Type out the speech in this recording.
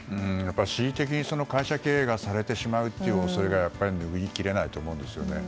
恣意的に会社経営がされてしまうという恐れが拭いきれないと思うんですよね。